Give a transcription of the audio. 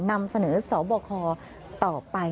นำเสนอสบคต่อไป